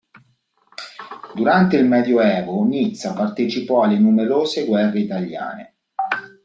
Durante il Medioevo Nizza partecipò alle numerose guerre italiane.